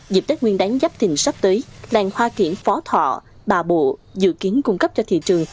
dịp tết nguyên đáng giáp thình sắp tới làng hoa kiển phó thọ bà bộ dự kiến cung cấp cho thị trường